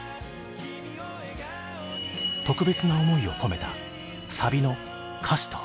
特別な思いを込めたサビの歌詞とは。